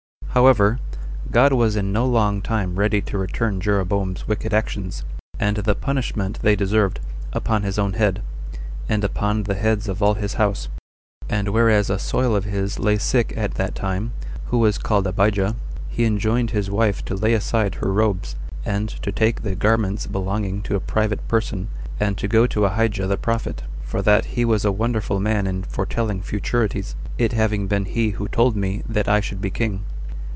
1. However, God was in no long time ready to return Jeroboam's wicked actions, and the punishment they deserved, upon his own head, and upon the heads of all his house. And whereas a son of his lay sick at that time, who was called Abijah, he enjoined his wife to lay aside her robes, and to take the garments belonging to a private person, and to go to Abijah the prophet, for that he was a wonderful man in foretelling futurities, it having been he who told me that I should be king.